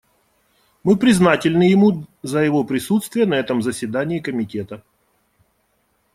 Мы признательны ему за его присутствие на этом заседании Комитета.